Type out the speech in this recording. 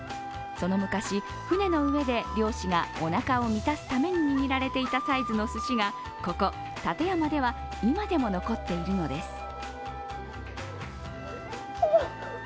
その昔、船の上で漁師がおなかを満たすために握られていたサイズのすしがここ館山では今でも残っているのです。